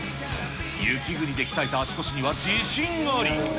雪国で鍛えた足腰には自信あり。